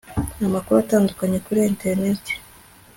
amakuru atandukanye kuri interineti